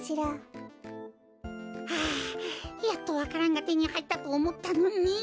はあやっとわか蘭がてにはいったとおもったのに。